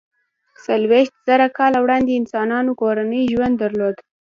څلویښت زره کاله وړاندې انسانانو کورنی ژوند درلود.